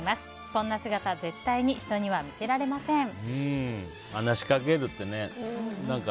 こんな姿、絶対に人には見せられません。